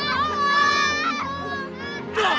yang ini kenal